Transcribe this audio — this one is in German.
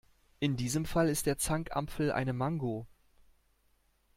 In diesem Fall ist der Zankapfel eine Mango.